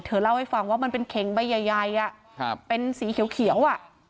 เล่าให้ฟังว่ามันเป็นเข็งใบใหญ่เป็นสีเขียว